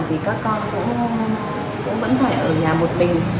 thì các con cũng vẫn phải ở nhà một mình